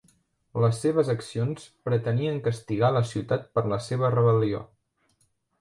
Les seves accions pretenien castigar la ciutat per la seva rebel·lió.